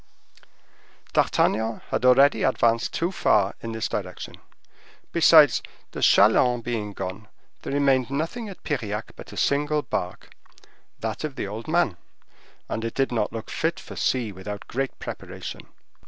D'Artagnan had already advanced too far in this direction; besides, the chalands being gone, there remained nothing at Piriac but a single bark—that of the old man, and it did not look fit for sea without great preparation.